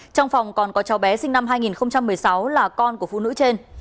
trong phòng còn có cháu bé sinh năm hai nghìn một mươi sáu là con của phụ nữ trên